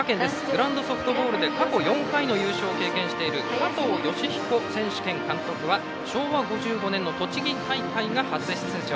グランドソフトボールで過去４回の優勝を経験している加藤善彦選手兼監督は昭和５５年の栃木大会が初出場。